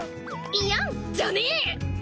「いやん」じゃねえ！